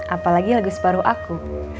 apalagi lagu separuh aku